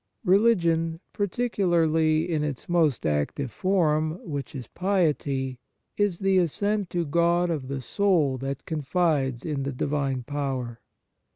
Religion, particularly in its most active form, which is piety, is the ascent to God of the soul that confides in the divine power.